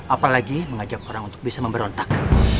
apalagi mengajak orang untuk bisa memberontak